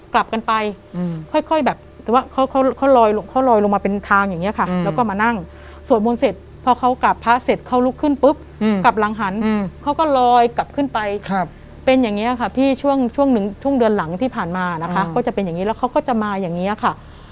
ก็จะเป็นอย่างนี้แล้วเขาก็จะมาอย่างนี้ค่ะ